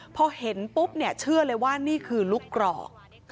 พอเห็นปุ๊บเนี่ยเชื่อเลยว่านี่คือลูกกรอก